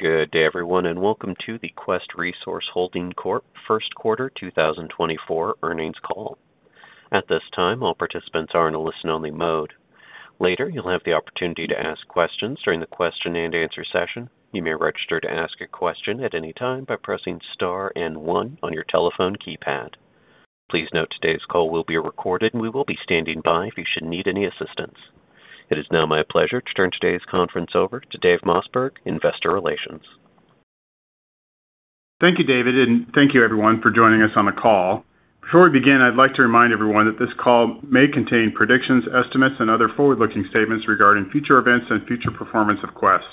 Good day everyone, and welcome to the Quest Resource Holding Corp. first quarter 2024 earnings call. At this time, all participants are in a listen-only mode. Later, you'll have the opportunity to ask questions during the question-and-answer session. You may register to ask a question at any time by pressing star and 1 on your telephone keypad. Please note today's call will be recorded, and we will be standing by if you should need any assistance. It is now my pleasure to turn today's conference over to Dave Mossberg, Investor Relations. Thank you, David, and thank you everyone for joining us on the call. Before we begin, I'd like to remind everyone that this call may contain predictions, estimates, and other forward-looking statements regarding future events and future performance of Quest.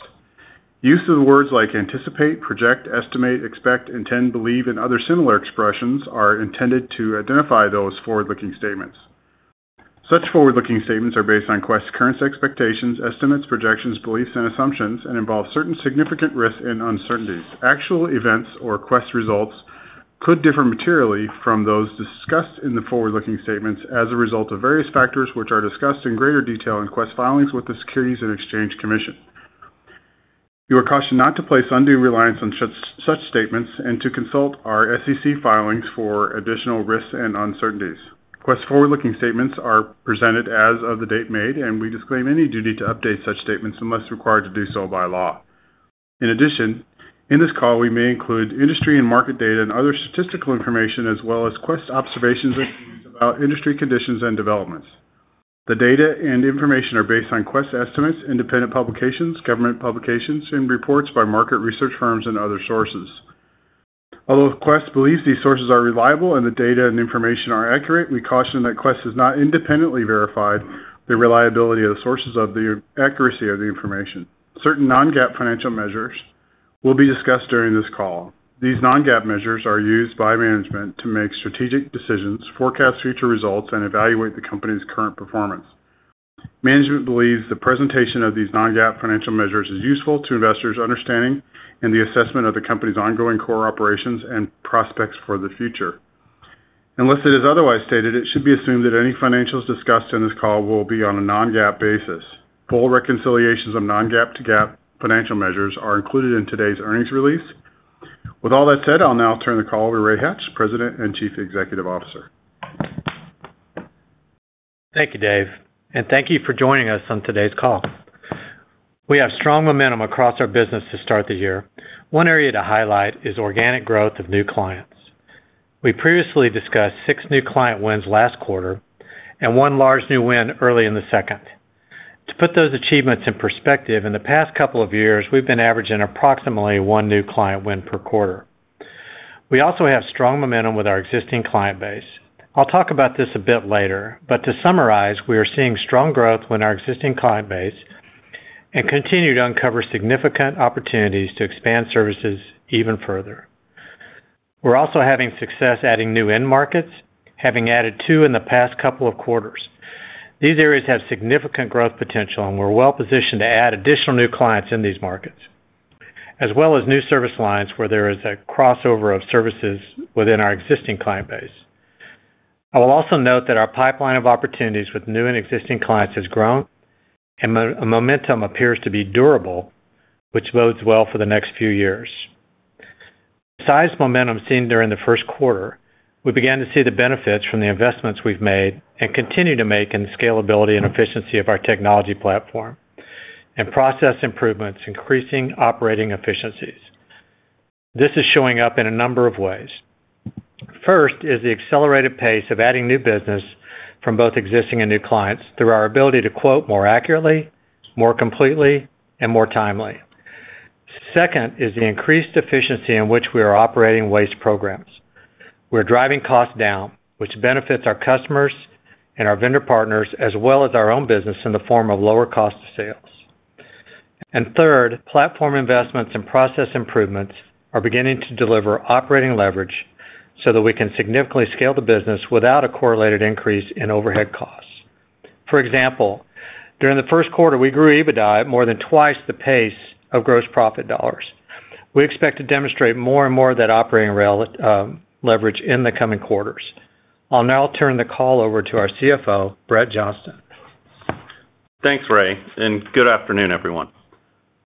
Use of the words like anticipate, project, estimate, expect, intend, believe, and other similar expressions are intended to identify those forward-looking statements. Such forward-looking statements are based on Quest's current expectations, estimates, projections, beliefs, and assumptions, and involve certain significant risks and uncertainties. Actual events or Quest results could differ materially from those discussed in the forward-looking statements as a result of various factors which are discussed in greater detail in Quest filings with the Securities and Exchange Commission. You are cautioned not to place undue reliance on such statements and to consult our SEC filings for additional risks and uncertainties. Quest forward-looking statements are presented as of the date made, and we disclaim any duty to update such statements unless required to do so by law. In addition, in this call, we may include industry and market data and other statistical information as well as Quest observations and views about industry conditions and developments. The data and information are based on Quest estimates, independent publications, government publications, and reports by market research firms and other sources. Although Quest believes these sources are reliable and the data and information are accurate, we caution that Quest does not independently verify the reliability of the sources or the accuracy of the information. Certain non-GAAP financial measures will be discussed during this call. These non-GAAP measures are used by management to make strategic decisions, forecast future results, and evaluate the company's current performance. Management believes the presentation of these non-GAAP financial measures is useful to investors' understanding and the assessment of the company's ongoing core operations and prospects for the future. Unless it is otherwise stated, it should be assumed that any financials discussed in this call will be on a non-GAAP basis. Full reconciliations of non-GAAP to GAAP financial measures are included in today's earnings release. With all that said, I'll now turn the call over to Ray Hatch, President and Chief Executive Officer. Thank you, Dave, and thank you for joining us on today's call. We have strong momentum across our business to start the year. One area to highlight is organic growth of new clients. We previously discussed 6 new client wins last quarter and 1 large new win early in the second. To put those achievements in perspective, in the past couple of years, we've been averaging approximately 1 new client win per quarter. We also have strong momentum with our existing client base. I'll talk about this a bit later, but to summarize, we are seeing strong growth with our existing client base and continue to uncover significant opportunities to expand services even further. We're also having success adding new end markets, having added 2 in the past couple of quarters. These areas have significant growth potential, and we're well positioned to add additional new clients in these markets, as well as new service lines where there is a crossover of services within our existing client base. I will also note that our pipeline of opportunities with new and existing clients has grown, and momentum appears to be durable, which bodes well for the next few years. Besides momentum seen during the first quarter, we began to see the benefits from the investments we've made and continue to make in the scalability and efficiency of our technology platform and process improvements, increasing operating efficiencies. This is showing up in a number of ways. First is the accelerated pace of adding new business from both existing and new clients through our ability to quote more accurately, more completely, and more timely. Second is the increased efficiency in which we are operating waste programs. We're driving costs down, which benefits our customers and our vendor partners as well as our own business in the form of lower cost of sales. And third, platform investments and process improvements are beginning to deliver operating leverage so that we can significantly scale the business without a correlated increase in overhead costs. For example, during the first quarter, we grew EBITDA at more than twice the pace of gross profit dollars. We expect to demonstrate more and more of that operating leverage in the coming quarters. I'll now turn the call over to our CFO, Brett Johnston. Thanks, Ray, and good afternoon, everyone.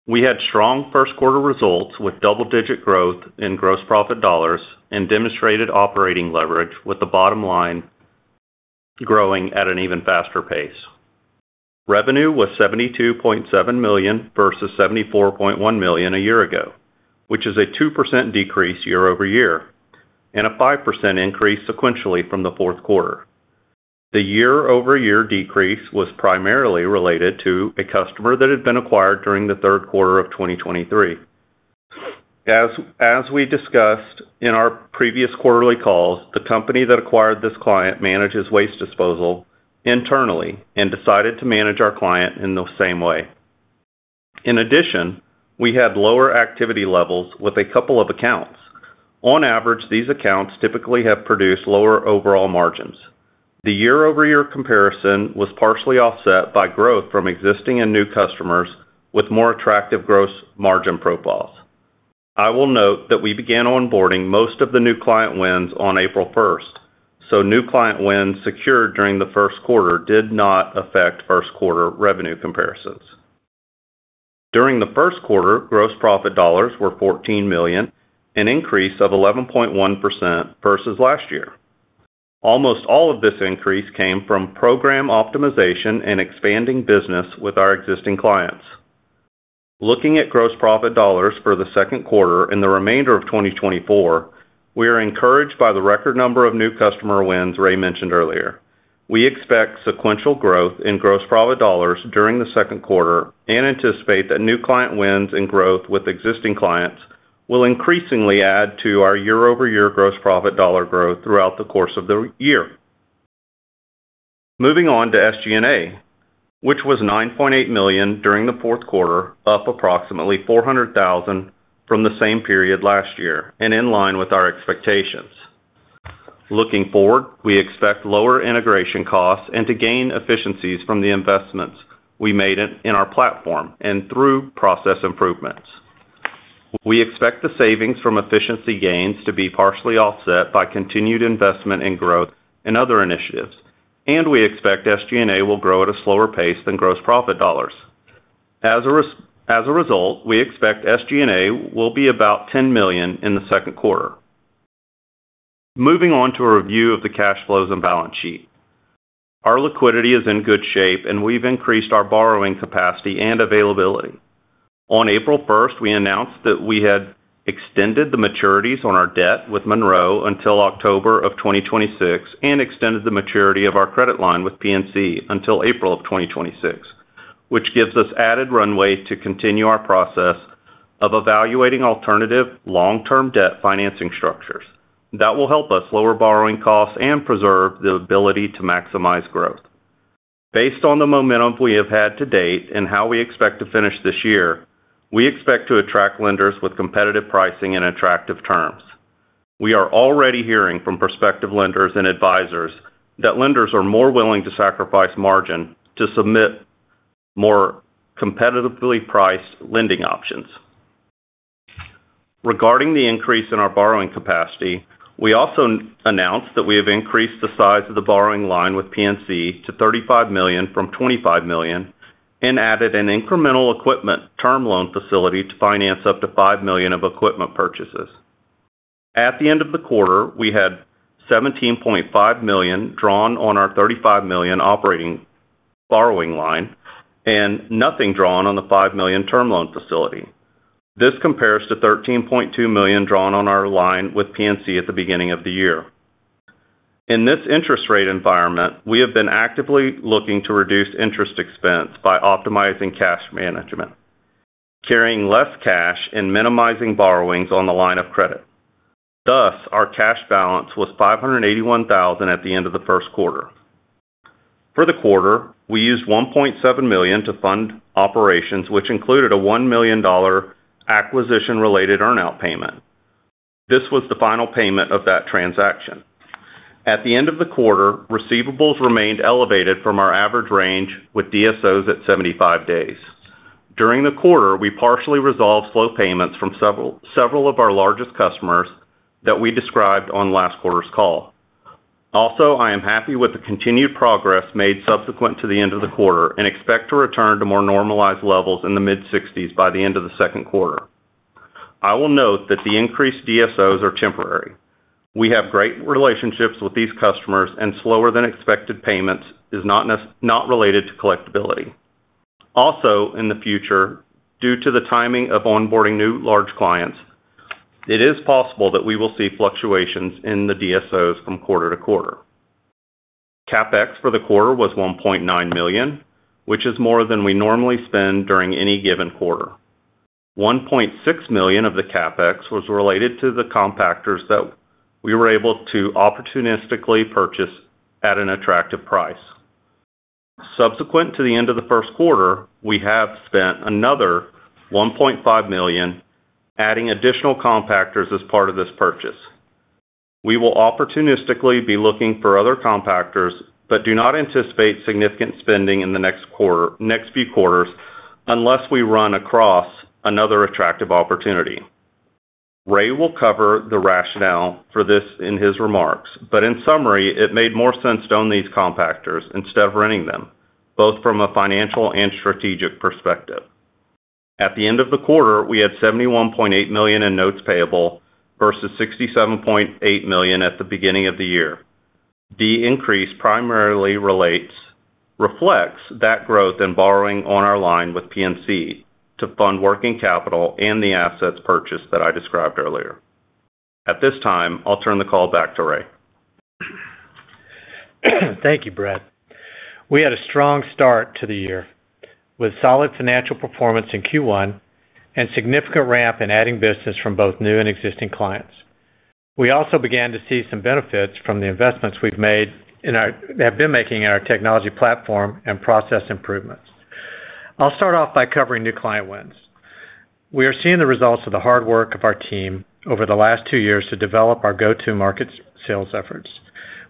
We had strong first quarter results with double-digit growth in gross profit dollars and demonstrated operating leverage with the bottom line growing at an even faster pace. Revenue was $72.7 million versus $74.1 million a year ago, which is a 2% decrease year-over-year and a 5% increase sequentially from the fourth quarter. The year-over-year decrease was primarily related to a customer that had been acquired during the third quarter of 2023. As we discussed in our previous quarterly calls, the company that acquired this client manages waste disposal internally and decided to manage our client in the same way. In addition, we had lower activity levels with a couple of accounts. On average, these accounts typically have produced lower overall margins. The year-over-year comparison was partially offset by growth from existing and new customers with more attractive gross margin profiles. I will note that we began onboarding most of the new client wins on April 1st, so new client wins secured during the first quarter did not affect first quarter revenue comparisons. During the first quarter, gross profit dollars were $14 million, an increase of 11.1% versus last year. Almost all of this increase came from program optimization and expanding business with our existing clients. Looking at gross profit dollars for the second quarter and the remainder of 2024, we are encouraged by the record number of new customer wins Ray mentioned earlier. We expect sequential growth in gross profit dollars during the second quarter and anticipate that new client wins and growth with existing clients will increasingly add to our year-over-year gross profit dollar growth throughout the course of the year. Moving on to SG&A, which was $9.8 million during the fourth quarter, up approximately $400,000 from the same period last year and in line with our expectations. Looking forward, we expect lower integration costs and to gain efficiencies from the investments we made in our platform and through process improvements. We expect the savings from efficiency gains to be partially offset by continued investment in growth and other initiatives, and we expect SG&A will grow at a slower pace than gross profit dollars. As a result, we expect SG&A will be about $10 million in the second quarter. Moving on to a review of the cash flows and balance sheet. Our liquidity is in good shape, and we've increased our borrowing capacity and availability. On April 1st, we announced that we had extended the maturities on our debt with Monroe until October of 2026 and extended the maturity of our credit line with PNC until April of 2026, which gives us added runway to continue our process of evaluating alternative long-term debt financing structures. That will help us lower borrowing costs and preserve the ability to maximize growth. Based on the momentum we have had to date and how we expect to finish this year, we expect to attract lenders with competitive pricing and attractive terms. We are already hearing from prospective lenders and advisors that lenders are more willing to sacrifice margin to submit more competitively priced lending options. Regarding the increase in our borrowing capacity, we also announced that we have increased the size of the borrowing line with PNC to $35 million from $25 million and added an incremental equipment term loan facility to finance up to $5 million of equipment purchases. At the end of the quarter, we had $17.5 million drawn on our $35 million operating borrowing line and nothing drawn on the $5 million term loan facility. This compares to $13.2 million drawn on our line with PNC at the beginning of the year. In this interest rate environment, we have been actively looking to reduce interest expense by optimizing cash management, carrying less cash, and minimizing borrowings on the line of credit. Thus, our cash balance was $581,000 at the end of the first quarter. For the quarter, we used $1.7 million to fund operations, which included a $1 million acquisition-related earnout payment. This was the final payment of that transaction. At the end of the quarter, receivables remained elevated from our average range with DSOs at 75 days. During the quarter, we partially resolved slow payments from several of our largest customers that we described on last quarter's call. Also, I am happy with the continued progress made subsequent to the end of the quarter and expect to return to more normalized levels in the mid-60s by the end of the second quarter. I will note that the increased DSOs are temporary. We have great relationships with these customers, and slower than expected payments is not related to collectibility. Also, in the future, due to the timing of onboarding new large clients, it is possible that we will see fluctuations in the DSOs from quarter to quarter. CapEx for the quarter was $1.9 million, which is more than we normally spend during any given quarter. $1.6 million of the CapEx was related to the compactors that we were able to opportunistically purchase at an attractive price. Subsequent to the end of the first quarter, we have spent another $1.5 million adding additional compactors as part of this purchase. We will opportunistically be looking for other compactors but do not anticipate significant spending in the next few quarters unless we run across another attractive opportunity. Ray will cover the rationale for this in his remarks, but in summary, it made more sense to own these compactors instead of renting them, both from a financial and strategic perspective. At the end of the quarter, we had $71.8 million in notes payable versus $67.8 million at the beginning of the year. The increase primarily reflects that growth in borrowing on our line with PNC to fund working capital and the assets purchased that I described earlier. At this time, I'll turn the call back to Ray. Thank you, Brett. We had a strong start to the year with solid financial performance in Q1 and significant ramp in adding business from both new and existing clients. We also began to see some benefits from the investments we've made and have been making in our technology platform and process improvements. I'll start off by covering new client wins. We are seeing the results of the hard work of our team over the last two years to develop our go-to-market sales efforts.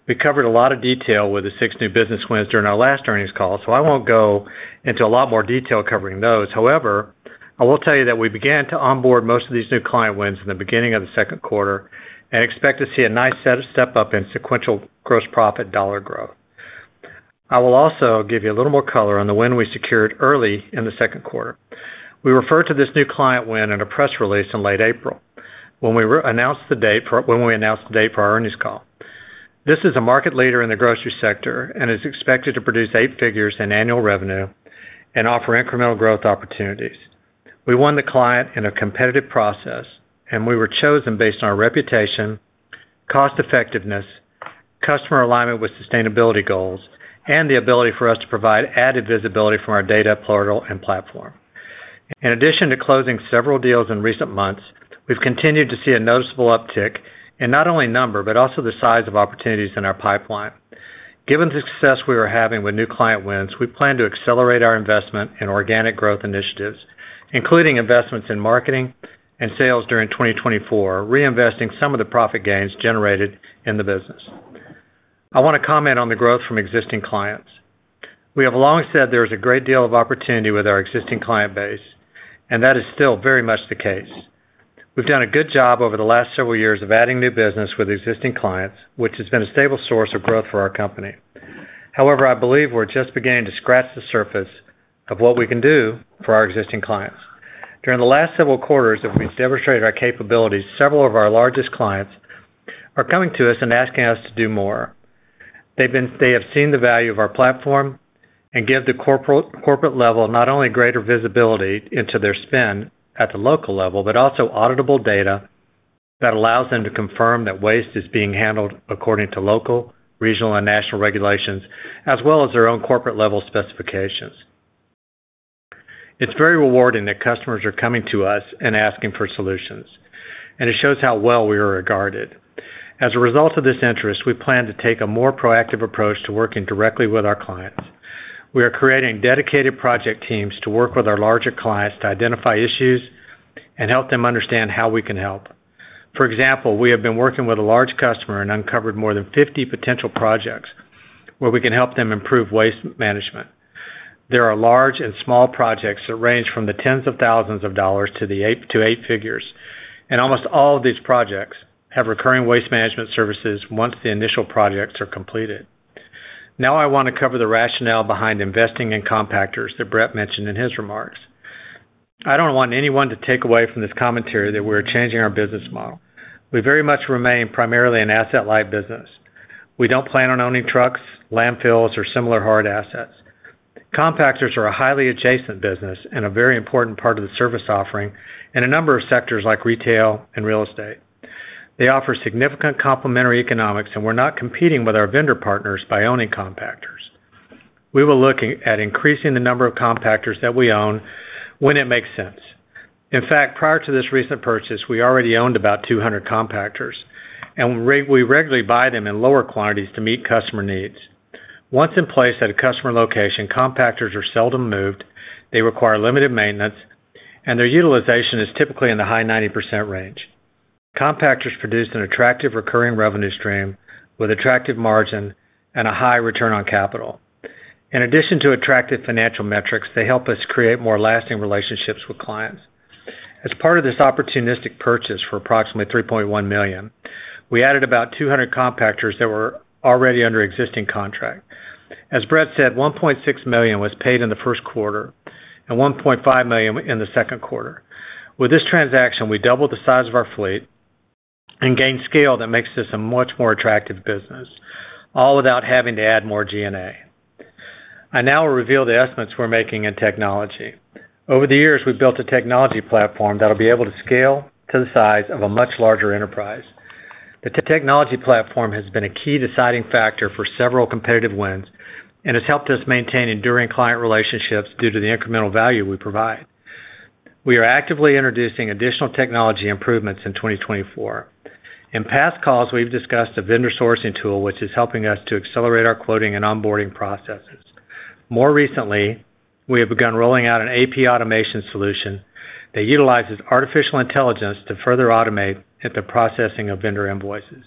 We covered a lot of detail with the six new business wins during our last earnings call, so I won't go into a lot more detail covering those. However, I will tell you that we began to onboard most of these new client wins in the beginning of the second quarter and expect to see a nice step up in sequential gross profit dollar growth. I will also give you a little more color on the win we secured early in the second quarter. We referred to this new client win in a press release in late April when we announced the date for our earnings call. This is a market leader in the grocery sector and is expected to produce 8 figures in annual revenue and offer incremental growth opportunities. We won the client in a competitive process, and we were chosen based on our reputation, cost-effectiveness, customer alignment with sustainability goals, and the ability for us to provide added visibility from our data, portal, and platform. In addition to closing several deals in recent months, we've continued to see a noticeable uptick in not only number but also the size of opportunities in our pipeline. Given the success we were having with new client wins, we plan to accelerate our investment in organic growth initiatives, including investments in marketing and sales during 2024, reinvesting some of the profit gains generated in the business. I want to comment on the growth from existing clients. We have long said there is a great deal of opportunity with our existing client base, and that is still very much the case. We've done a good job over the last several years of adding new business with existing clients, which has been a stable source of growth for our company. However, I believe we're just beginning to scratch the surface of what we can do for our existing clients. During the last several quarters that we've demonstrated our capabilities, several of our largest clients are coming to us and asking us to do more. They have seen the value of our platform and give the corporate level not only greater visibility into their spend at the local level but also auditable data that allows them to confirm that waste is being handled according to local, regional, and national regulations, as well as their own corporate-level specifications. It's very rewarding that customers are coming to us and asking for solutions, and it shows how well we are regarded. As a result of this interest, we plan to take a more proactive approach to working directly with our clients. We are creating dedicated project teams to work with our larger clients to identify issues and help them understand how we can help. For example, we have been working with a large customer and uncovered more than 50 potential projects where we can help them improve waste management. There are large and small projects that range from $10,000s to $8 figures, and almost all of these projects have recurring waste management services once the initial projects are completed. Now, I want to cover the rationale behind investing in compactors that Brett mentioned in his remarks. I don't want anyone to take away from this commentary that we are changing our business model. We very much remain primarily an asset-light business. We don't plan on owning trucks, landfills, or similar hard assets. Compactors are a highly adjacent business and a very important part of the service offering in a number of sectors like retail and real estate. They offer significant complementary economics, and we're not competing with our vendor partners by owning compactors. We will look at increasing the number of compactors that we own when it makes sense. In fact, prior to this recent purchase, we already owned about 200 compactors, and we regularly buy them in lower quantities to meet customer needs. Once in place at a customer location, compactors are seldom moved, they require limited maintenance, and their utilization is typically in the high 90% range. Compactors produce an attractive recurring revenue stream with attractive margin and a high return on capital. In addition to attractive financial metrics, they help us create more lasting relationships with clients. As part of this opportunistic purchase for approximately $3.1 million, we added about 200 compactors that were already under existing contract. As Brett said, $1.6 million was paid in the first quarter and $1.5 million in the second quarter. With this transaction, we doubled the size of our fleet and gained scale that makes this a much more attractive business, all without having to add more G&A. I now will reveal the estimates we're making in technology. Over the years, we've built a technology platform that will be able to scale to the size of a much larger enterprise. The technology platform has been a key deciding factor for several competitive wins and has helped us maintain enduring client relationships due to the incremental value we provide. We are actively introducing additional technology improvements in 2024. In past calls, we've discussed a vendor sourcing tool, which is helping us to accelerate our quoting and onboarding processes. More recently, we have begun rolling out an AP automation solution that utilizes artificial intelligence to further automate at the processing of vendor invoices.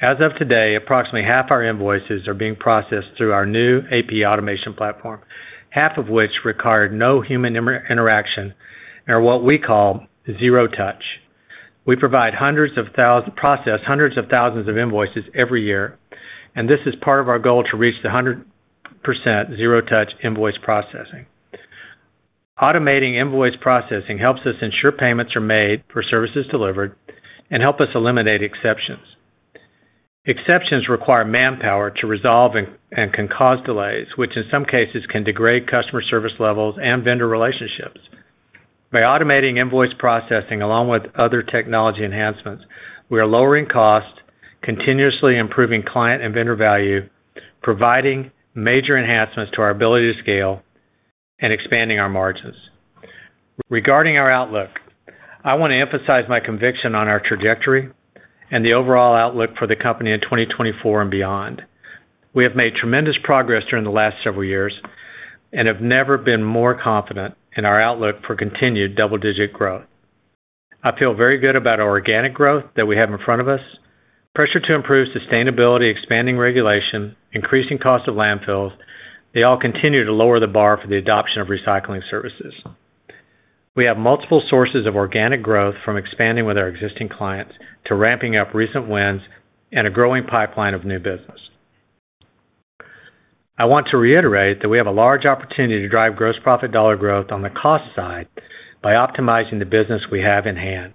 As of today, approximately half our invoices are being processed through our new AP automation platform, half of which required no human interaction and are what we call zero touch. We process hundreds of thousands of invoices every year, and this is part of our goal to reach the 100% zero-touch invoice processing. Automating invoice processing helps us ensure payments are made for services delivered and help us eliminate exceptions. Exceptions require manpower to resolve and can cause delays, which in some cases can degrade customer service levels and vendor relationships. By automating invoice processing along with other technology enhancements, we are lowering costs, continuously improving client and vendor value, providing major enhancements to our ability to scale, and expanding our margins. Regarding our outlook, I want to emphasize my conviction on our trajectory and the overall outlook for the company in 2024 and beyond. We have made tremendous progress during the last several years and have never been more confident in our outlook for continued double-digit growth. I feel very good about our organic growth that we have in front of us. Pressure to improve sustainability, expanding regulation, increasing cost of landfills. They all continue to lower the bar for the adoption of recycling services. We have multiple sources of organic growth from expanding with our existing clients to ramping up recent wins and a growing pipeline of new business. I want to reiterate that we have a large opportunity to drive gross profit dollar growth on the cost side by optimizing the business we have in hand.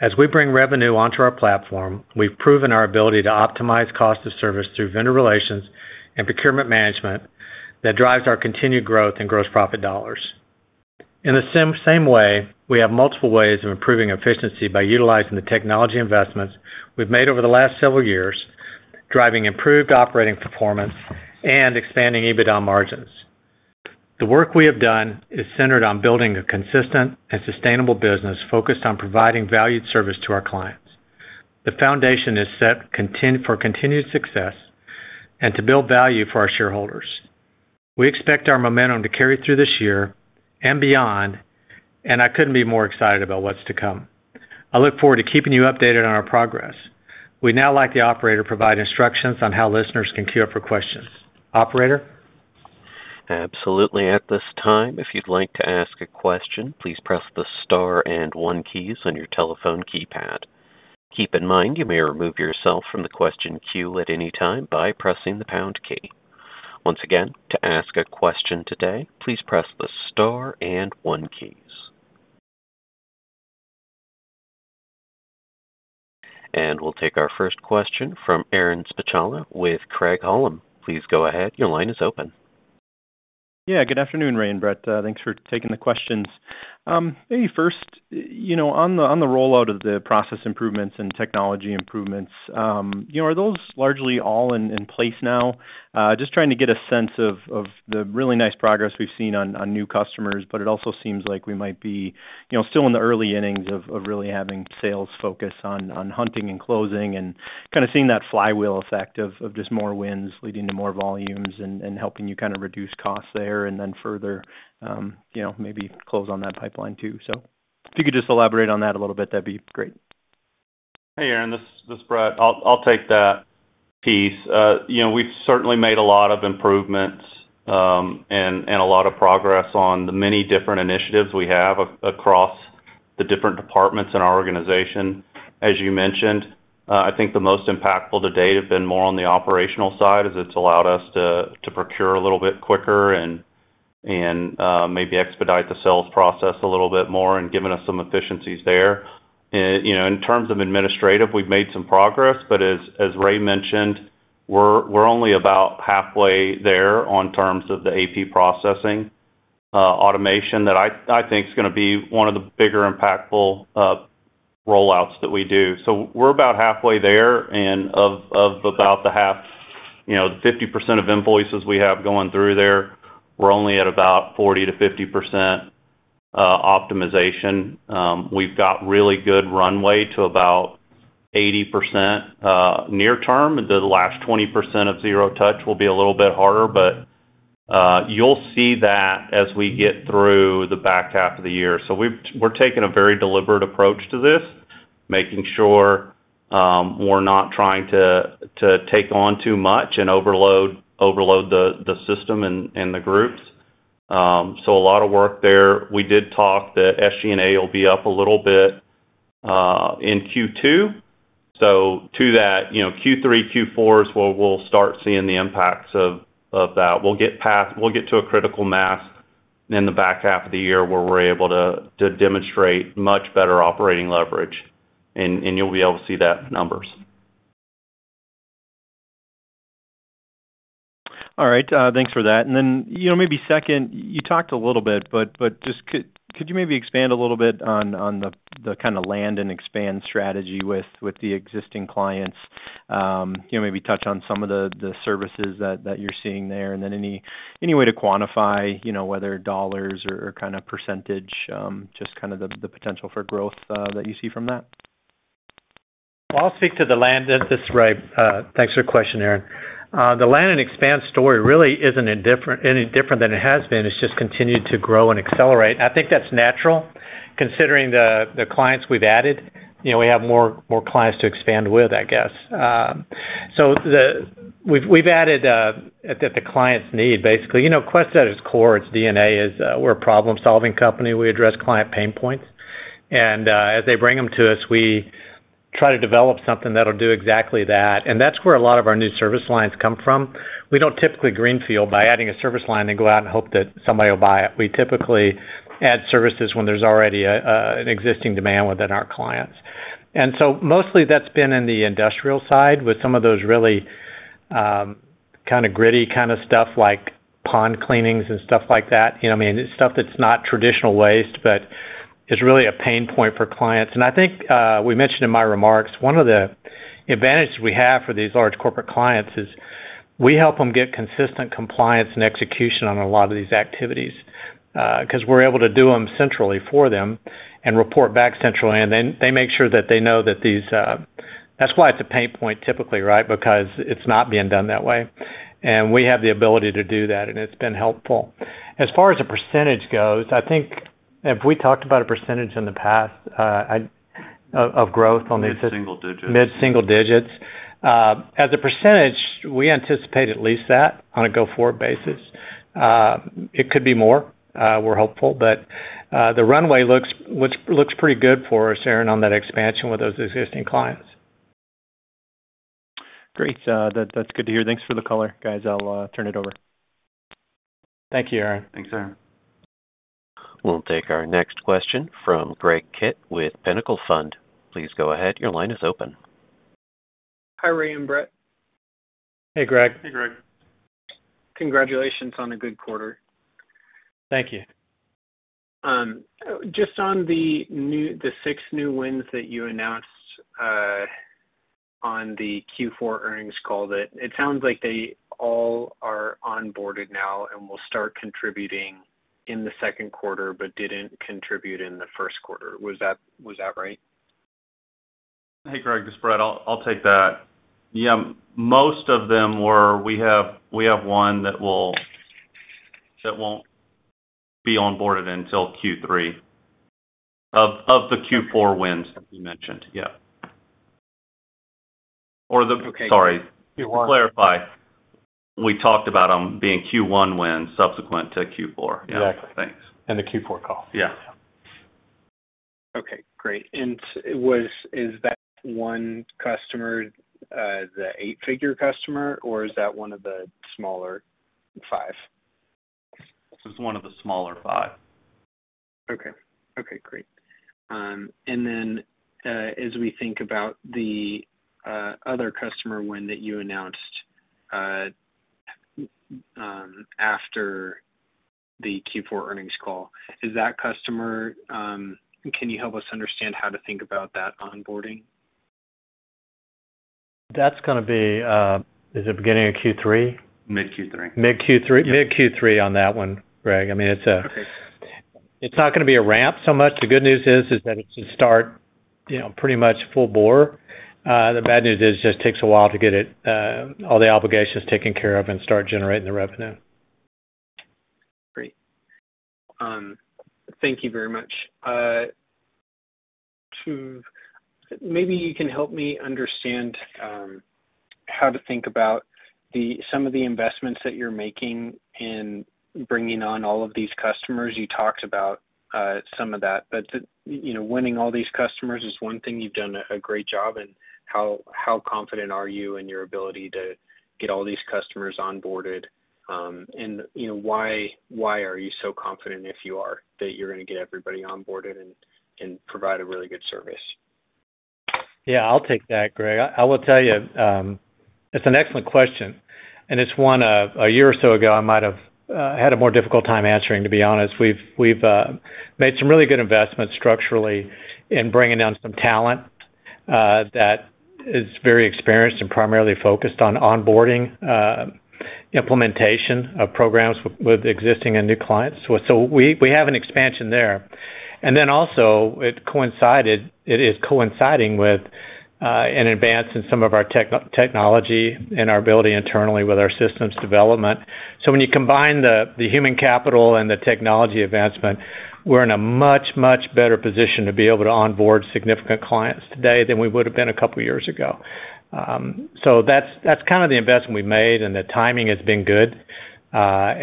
As we bring revenue onto our platform, we've proven our ability to optimize cost of service through vendor relations and procurement management that drives our continued growth in gross profit dollars. In the same way, we have multiple ways of improving efficiency by utilizing the technology investments we've made over the last several years, driving improved operating performance, and expanding EBITDA margins. The work we have done is centered on building a consistent and sustainable business focused on providing valued service to our clients. The foundation is set for continued success and to build value for our shareholders. We expect our momentum to carry through this year and beyond, and I couldn't be more excited about what's to come. I look forward to keeping you updated on our progress. We now would like the operator to provide instructions on how listeners can queue up for questions. Operator? Absolutely. At this time, if you'd like to ask a question, please press the star and one keys on your telephone keypad. Keep in mind you may remove yourself from the question queue at any time by pressing the pound key. Once again, to ask a question today, please press the star and one keys. We'll take our first question from Aaron Spychalla with Craig-Hallum. Please go ahead. Your line is open. Yeah. Good afternoon, Ray and Brett. Thanks for taking the questions. Maybe first, on the rollout of the process improvements and technology improvements, are those largely all in place now? Just trying to get a sense of the really nice progress we've seen on new customers, but it also seems like we might be still in the early innings of really having sales focus on hunting and closing and kind of seeing that flywheel effect of just more wins leading to more volumes and helping you kind of reduce costs there and then further maybe close on that pipeline too. So if you could just elaborate on that a little bit, that'd be great. Hey, Aaron. This is Brett. I'll take that piece. We've certainly made a lot of improvements and a lot of progress on the many different initiatives we have across the different departments in our organization. As you mentioned, I think the most impactful to date have been more on the operational side as it's allowed us to procure a little bit quicker and maybe expedite the sales process a little bit more and given us some efficiencies there. In terms of administrative, we've made some progress, but as Ray mentioned, we're only about halfway there on terms of the AP processing automation that I think is going to be one of the bigger impactful rollouts that we do. So we're about halfway there, and of about the 50% of invoices we have going through there, we're only at about 40%-50% optimization. We've got really good runway to about 80% near term. The last 20% of zero touch will be a little bit harder, but you'll see that as we get through the back half of the year. So we're taking a very deliberate approach to this, making sure we're not trying to take on too much and overload the system and the groups. So a lot of work there. We did talk that SG&A will be up a little bit in Q2. So to that, Q3, Q4s, we'll start seeing the impacts of that. We'll get to a critical mass in the back half of the year where we're able to demonstrate much better operating leverage, and you'll be able to see that in numbers. All right. Thanks for that. And then maybe second, you talked a little bit, but just could you maybe expand a little bit on the kind of land and expand strategy with the existing clients, maybe touch on some of the services that you're seeing there, and then any way to quantify whether dollars or kind of percentage, just kind of the potential for growth that you see from that? Well, I'll speak to the land. This is Ray. Thanks for the question, Aaron. The land and expand story really isn't any different than it has been. It's just continued to grow and accelerate. I think that's natural considering the clients we've added. We have more clients to expand with, I guess. So we've added at the client's need, basically. Quest at its core, its DNA is we're a problem-solving company. We address client pain points. And as they bring them to us, we try to develop something that'll do exactly that. And that's where a lot of our new service lines come from. We don't typically greenfield by adding a service line and go out and hope that somebody will buy it. We typically add services when there's already an existing demand within our clients. Mostly, that's been in the industrial side with some of those really kind of gritty kind of stuff like pond cleanings and stuff like that. I mean, stuff that's not traditional waste but is really a pain point for clients. I think we mentioned in my remarks, one of the advantages we have for these large corporate clients is we help them get consistent compliance and execution on a lot of these activities because we're able to do them centrally for them and report back centrally. They make sure that they know that these that's why it's a pain point, typically, right, because it's not being done that way. We have the ability to do that, and it's been helpful. As far as a percentage goes, I think if we talked about a percentage in the past of growth on these. Mid-single digits. Mid-single digits. As a percentage, we anticipate at least that on a go-forward basis. It could be more, we're hopeful. But the runway looks pretty good for us, Aaron, on that expansion with those existing clients. Great. That's good to hear. Thanks for the color, guys. I'll turn it over. Thank you, Aaron. Thanks, Aaron. We'll take our next question from Greg Kitt with Pinnacle Fund. Please go ahead. Your line is open. Hi, Ray and Brett. Hey, Greg. Hey, Greg. Congratulations on a good quarter. Thank you. Just on the six new wins that you announced on the Q4 earnings call, it sounds like they all are onboarded now and will start contributing in the second quarter but didn't contribute in the first quarter. Was that right? Hey, Greg. This is Brett. I'll take that. Yeah, most of them were, we have one that won't be onboarded until Q3 of the Q4 wins that you mentioned. Yeah. Or the sorry. Q1. Clarify. We talked about them being Q1 wins subsequent to Q4. Yeah. Exactly. Thanks. The Q4 call. Yeah. Okay. Great. And is that one customer, the eight-figure customer, or is that one of the smaller five? It's one of the smaller five. Okay. Okay. Great. And then as we think about the other customer win that you announced after the Q4 earnings call, can you help us understand how to think about that onboarding? That's going to be, is it, beginning of Q3? Mid-Q3. Mid-Q3 on that one, Greg. I mean, it's not going to be a ramp so much. The good news is that it should start pretty much full bore. The bad news is it just takes a while to get all the obligations taken care of and start generating the revenue. Great. Thank you very much. Maybe you can help me understand how to think about some of the investments that you're making in bringing on all of these customers. You talked about some of that. But winning all these customers is one thing you've done a great job in. How confident are you in your ability to get all these customers onboarded? And why are you so confident if you are that you're going to get everybody onboarded and provide a really good service? Yeah. I'll take that, Greg. I will tell you, it's an excellent question. And it's one a year or so ago, I might have had a more difficult time answering, to be honest. We've made some really good investments structurally in bringing down some talent that is very experienced and primarily focused on onboarding, implementation of programs with existing and new clients. So we have an expansion there. And then also, it is coinciding with an advance in some of our technology and our ability internally with our systems development. So when you combine the human capital and the technology advancement, we're in a much, much better position to be able to onboard significant clients today than we would have been a couple of years ago. So that's kind of the investment we made, and the timing has been good. At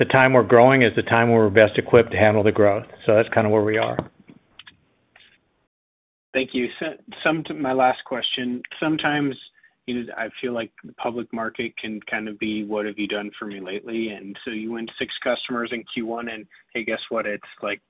the time we're growing is the time we're best equipped to handle the growth. That's kind of where we are. Thank you. My last question. Sometimes I feel like the public market can kind of be, "What have you done for me lately?" And so you win 6 customers in Q1, and hey, guess what? It's like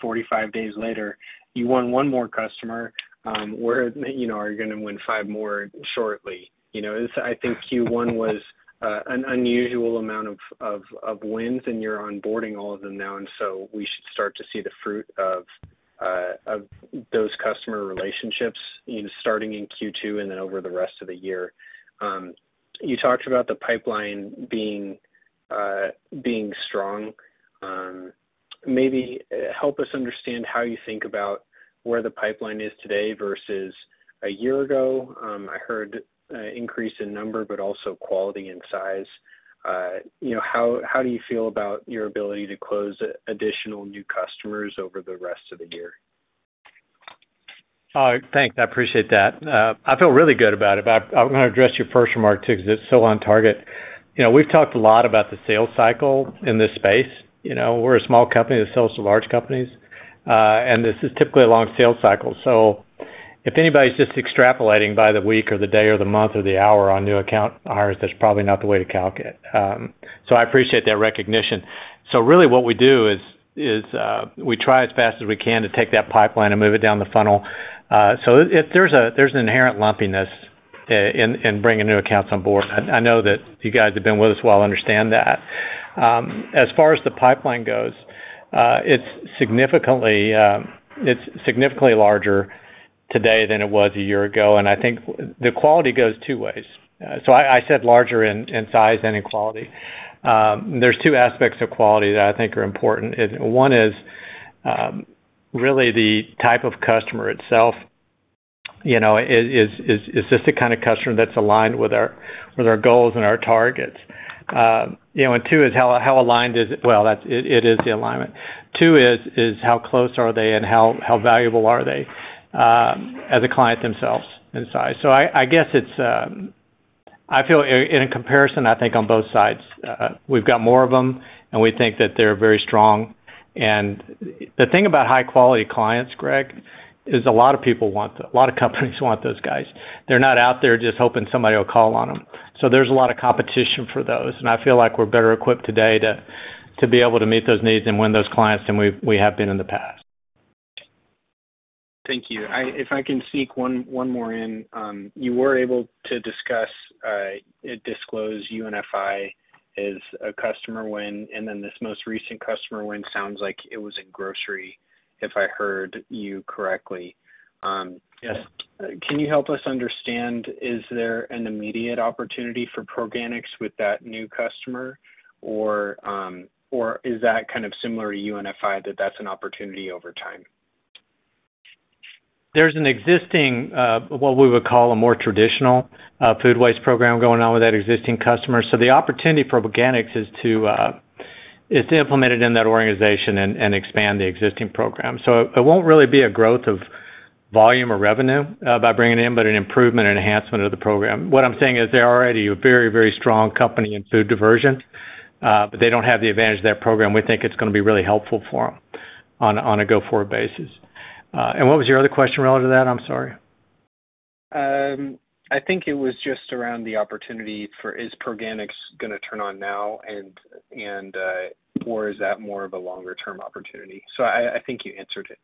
45 days later, you won 1 more customer. Where are you going to win 5 more shortly? I think Q1 was an unusual amount of wins, and you're onboarding all of them now. And so we should start to see the fruit of those customer relationships starting in Q2 and then over the rest of the year. You talked about the pipeline being strong. Maybe help us understand how you think about where the pipeline is today versus a year ago. I heard an increase in number but also quality and size. How do you feel about your ability to close additional new customers over the rest of the year? All right. Thanks. I appreciate that. I feel really good about it. But I'm going to address your first remark too because it's so on target. We've talked a lot about the sales cycle in this space. We're a small company that sells to large companies, and this is typically along sales cycles. So if anybody's just extrapolating by the week or the day or the month or the hour on new account hires, that's probably not the way to calculate. So I appreciate that recognition. So really, what we do is we try as fast as we can to take that pipeline and move it down the funnel. So there's an inherent lumpiness in bringing new accounts on board. I know that you guys have been with us a while. I understand that. As far as the pipeline goes, it's significantly larger today than it was a year ago. And I think the quality goes two ways. So I said larger in size than in quality. There's two aspects of quality that I think are important. One is really the type of customer itself. Is this the kind of customer that's aligned with our goals and our targets? And two is how aligned is it? Well, it is the alignment. Two is how close are they and how valuable are they as a client themselves in size? So I guess it's I feel in comparison, I think on both sides, we've got more of them, and we think that they're very strong. And the thing about high-quality clients, Greg, is a lot of people want them. A lot of companies want those guys. They're not out there just hoping somebody will call on them. So there's a lot of competition for those. I feel like we're better equipped today to be able to meet those needs and win those clients than we have been in the past. Thank you. If I can sneak one more in, you were able to discuss. It disclosed UNFI as a customer win, and then this most recent customer win sounds like it was in grocery, if I heard you correctly. Can you help us understand, is there an immediate opportunity for organics with that new customer, or is that kind of similar to UNFI that that's an opportunity over time? There's an existing, what we would call a more traditional food waste program going on with that existing customer. So the opportunity for organics is to implement it in that organization and expand the existing program. So it won't really be a growth of volume or revenue by bringing it in, but an improvement and enhancement of the program. What I'm saying is they're already a very, very strong company in food diversion, but they don't have the advantage of that program we think it's going to be really helpful for them on a go-forward basis. And what was your other question relative to that? I'm sorry. I think it was just around the opportunity for, "Is organics going to turn on now, and/or is that more of a longer-term opportunity?" So I think you answered it.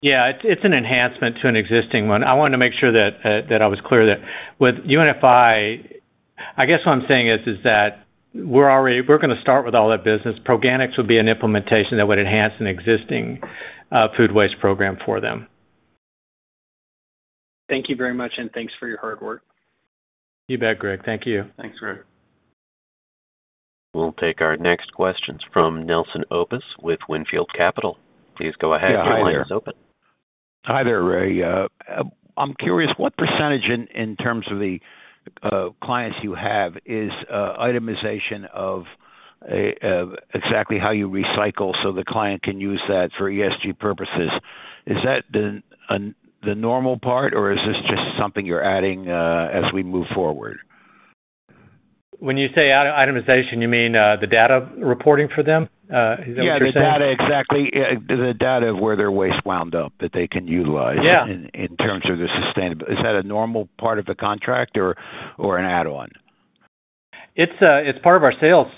Yeah. It's an enhancement to an existing one. I wanted to make sure that I was clear that with UNFI, I guess what I'm saying is that we're going to start with all that business. organics would be an implementation that would enhance an existing food waste program for them. Thank you very much, and thanks for your hard work. You bet, Greg. Thank you. Thanks, Greg. We'll take our next questions from Nelson Obus with Wynnefield Capital. Please go ahead. Your line is open. Hi there, Ray. I'm curious, what percentage in terms of the clients you have is itemization of exactly how you recycle so the client can use that for ESG purposes? Is that the normal part, or is this just something you're adding as we move forward? When you say itemization, you mean the data reporting for them? Is that what you're saying? Yeah. The data, exactly. The data of where their waste wound up that they can utilize in terms of the sustainable is that a normal part of the contract or an add-on? It's part of our sales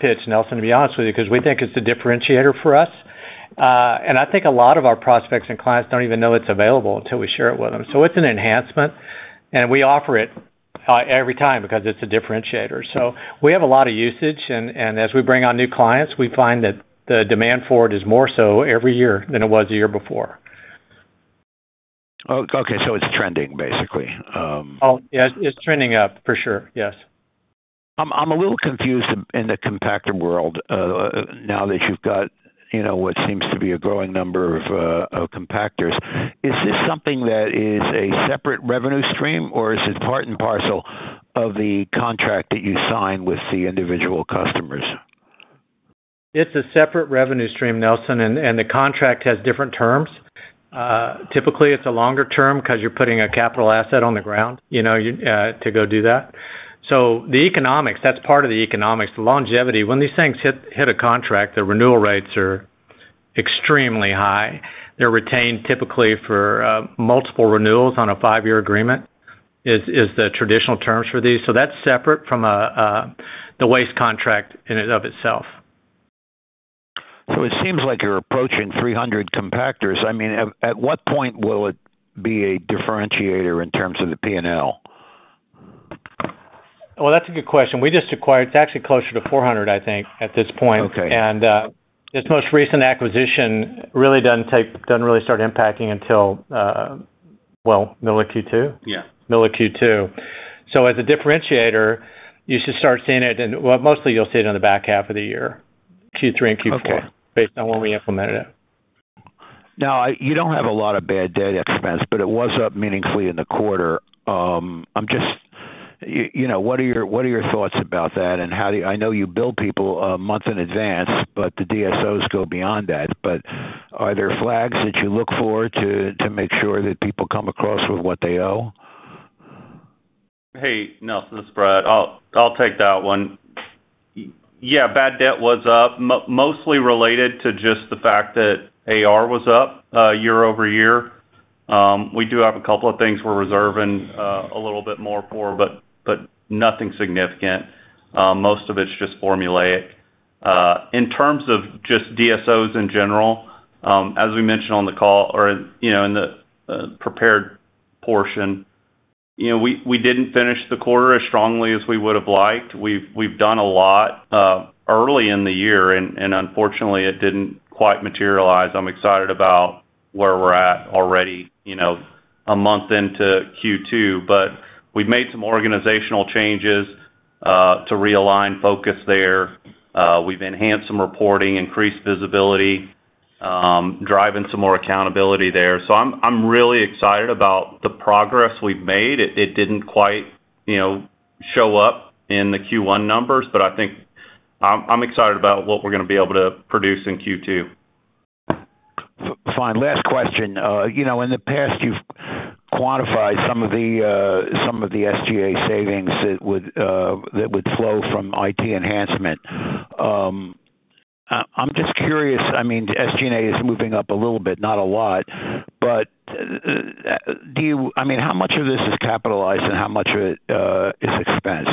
pitch, Nelson, to be honest with you, because we think it's a differentiator for us. And I think a lot of our prospects and clients don't even know it's available until we share it with them. So it's an enhancement, and we offer it every time because it's a differentiator. So we have a lot of usage. And as we bring on new clients, we find that the demand for it is more so every year than it was the year before. Okay. So it's trending, basically. Oh, yeah. It's trending up, for sure. Yes. I'm a little confused in the compactor world now that you've got what seems to be a growing number of compactors. Is this something that is a separate revenue stream, or is it part and parcel of the contract that you sign with the individual customers? It's a separate revenue stream, Nelson, and the contract has different terms. Typically, it's a longer term because you're putting a capital asset on the ground to go do that. So the economics, that's part of the economics. The longevity, when these things hit a contract, the renewal rates are extremely high. They're retained typically for multiple renewals on a five-year agreement is the traditional terms for these. So that's separate from the waste contract in and of itself. So it seems like you're approaching 300 compactors. I mean, at what point will it be a differentiator in terms of the P&L? Well, that's a good question. We just acquired. It's actually closer to 400, I think, at this point. And this most recent acquisition really didn't start impacting until, well, middle of Q2. Middle of Q2. So as a differentiator, you should start seeing it. Well, mostly, you'll see it on the back half of the year, Q3 and Q4, based on when we implemented it. Now, you don't have a lot of bad debt expense, but it was up meaningfully in the quarter. What are your thoughts about that, and how do you, I know you bill people a month in advance, but the DSOs go beyond that. But are there flags that you look for to make sure that people come across with what they owe? Hey, Nelson. This is Brett. I'll take that one. Yeah. Bad debt was up, mostly related to just the fact that AR was up year-over-year. We do have a couple of things we're reserving a little bit more for, but nothing significant. Most of it's just formulaic. In terms of just DSOs in general, as we mentioned on the call or in the prepared portion, we didn't finish the quarter as strongly as we would have liked. We've done a lot early in the year, and unfortunately, it didn't quite materialize. I'm excited about where we're at already a month into Q2. But we've made some organizational changes to realign focus there. We've enhanced some reporting, increased visibility, driving some more accountability there. So I'm really excited about the progress we've made. It didn't quite show up in the Q1 numbers, but I'm excited about what we're going to be able to produce in Q2. Fine. Last question. In the past, you've quantified some of the SG&A savings that would flow from IT enhancement. I'm just curious. I mean, SG&A is moving up a little bit, not a lot. But do you, I mean, how much of this is capitalized, and how much of it is expensed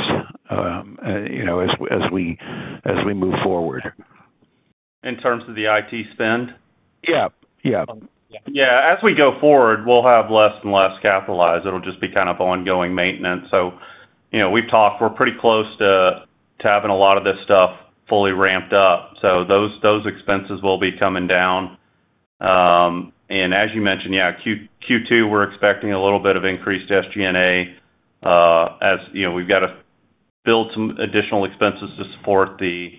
as we move forward? In terms of the IT spend? Yeah. Yeah. Yeah. As we go forward, we'll have less and less capitalized. It'll just be kind of ongoing maintenance. So we've talked. We're pretty close to having a lot of this stuff fully ramped up. So those expenses will be coming down. And as you mentioned, yeah, Q2, we're expecting a little bit of increased SG&A. We've got to build some additional expenses to support the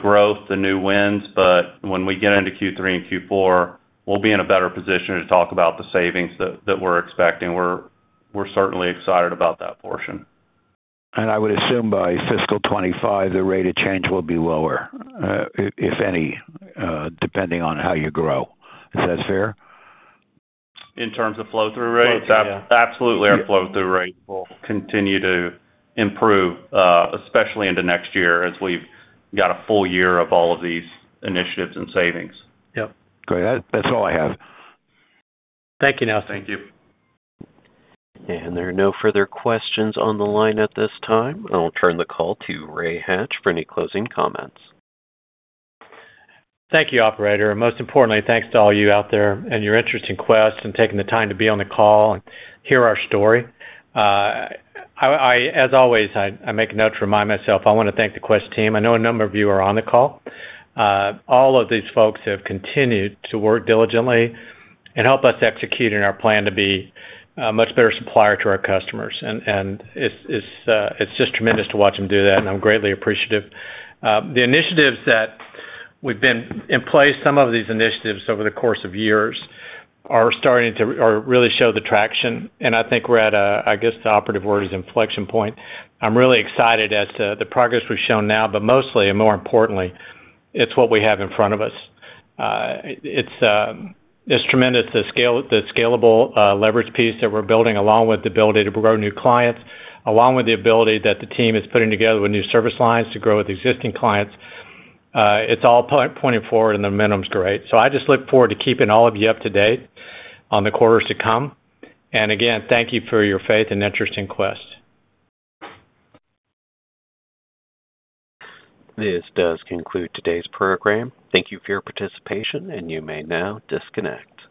growth, the new wins. But when we get into Q3 and Q4, we'll be in a better position to talk about the savings that we're expecting. We're certainly excited about that portion. I would assume by fiscal 2025, the rate of change will be lower, if any, depending on how you grow. Is that fair? In terms of flow-through rates? Oh, yeah. Absolutely. Our flow-through rates will continue to improve, especially into next year as we've got a full year of all of these initiatives and savings. Yep. Great. That's all I have. Thank you, Nelson. Thank you. There are no further questions on the line at this time. I'll turn the call to Ray Hatch for any closing comments. Thank you, operator. Most importantly, thanks to all you out there and your interest in Quest and taking the time to be on the call and hear our story. As always, I make a note to remind myself, I want to thank the Quest team. I know a number of you are on the call. All of these folks have continued to work diligently and help us execute in our plan to be a much better supplier to our customers. It's just tremendous to watch them do that, and I'm greatly appreciative. The initiatives that we've been in place, some of these initiatives over the course of years, are starting to really show the traction. I think we're at, I guess the operative word is inflection point. I'm really excited as to the progress we've shown now, but mostly and more importantly, it's what we have in front of us. It's tremendous, the scalable leverage piece that we're building along with the ability to grow new clients, along with the ability that the team is putting together with new service lines to grow with existing clients. It's all pointing forward, and the momentum's great. So I just look forward to keeping all of you up to date on the quarters to come. And again, thank you for your faith and interest in Quest. This does conclude today's program. Thank you for your participation, and you may now disconnect.